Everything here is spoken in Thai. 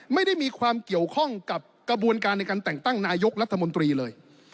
ไม่ได้มีความเกี่ยวข้องกับกระบวนการในการแต่งตั้งนายกรัฐมนตรีเลย